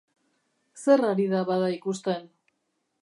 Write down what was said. Zer ari da bada ikusten?